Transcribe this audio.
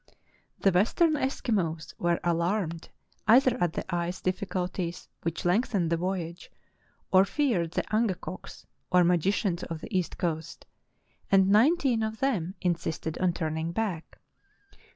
The western Eskimos were alarmed either at the ice diflficulties which lengthened the voyage, or feared the angekoksy or magicians of the east coast, and nineteen of them insisted on turning back.